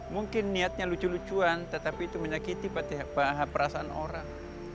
mungkin niatnya lucu lucuan tetapi itu menyakiti perasaan orang